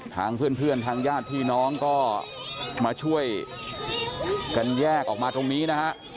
ทางเพื่อนทางญาติพี่น้องก็มาช่วยกันแยกออกมาตรงนี้นะฮะ